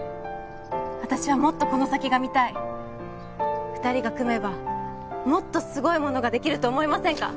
私はもっとこの先が見たい二人が組めばもっとすごいものができると思いませんか？